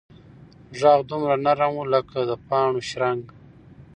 غږ دومره نرم و لکه د پاڼو شرنګ.